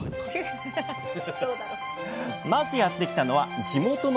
まずやって来たのは地元の道の駅。